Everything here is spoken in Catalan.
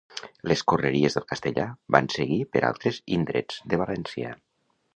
Les correries del castellà van seguir per altres indrets de València.